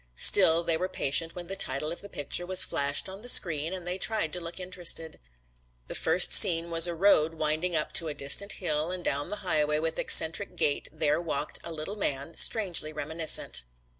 Still they were patient when the title of the picture was flashed on the screen and they tried to look interested. The first scene was a road winding up to a distant hill and down the highway with eccentric gait there walked a little man strangely reminiscent.